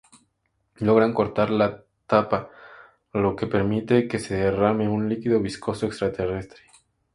Logran cortar la tapa, lo que permite que se derrame un líquido viscoso extraterrestre.